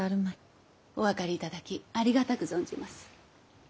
お分かり頂きありがたく存じます。